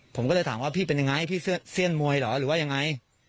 ผมก็เลยถามว่าพี่เป็นยังไงพี่เสี้ยนมวยเหรอหรือว่ายังไง